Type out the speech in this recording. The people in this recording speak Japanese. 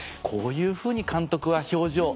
こういうふうに監督は表情